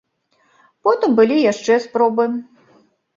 Потым былі яшчэ спробы.